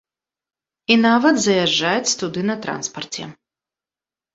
І нават заязджаць туды на транспарце.